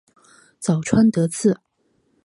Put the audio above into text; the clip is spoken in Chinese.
早川德次